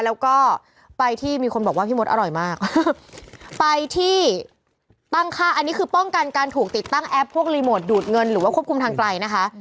แล้วก็ไปที่มีคนบอกว่าพี่มดอร่อยมากไปที่ตั้งค่าอันนี้คือป้องกันการถูกติดตั้งแอปพวกรีโมทดูดเงินหรือว่าควบคุมทางไกลนะคะ